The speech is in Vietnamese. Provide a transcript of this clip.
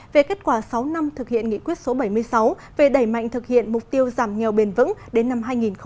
về kết quả sáu năm thực hiện nghị quyết số bảy mươi sáu về đẩy mạnh thực hiện mục tiêu giảm nghèo bền vững đến năm hai nghìn hai mươi